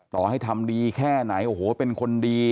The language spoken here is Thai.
ต่อให้ทำดีแค่ไหนโอ้โหเป็นคนดี